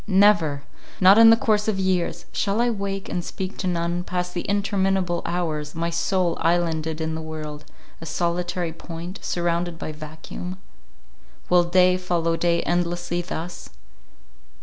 —never!—not in the course of years!—Shall I wake, and speak to none, pass the interminable hours, my soul, islanded in the world, a solitary point, surrounded by vacuum? Will day follow day endlessly thus?